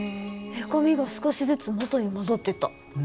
へこみが少しずつ元に戻ってった。